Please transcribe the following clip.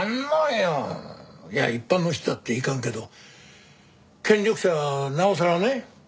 いや一般の人だっていかんけど権力者はなおさらね。